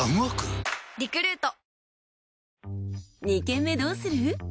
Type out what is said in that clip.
「二軒目どうする？」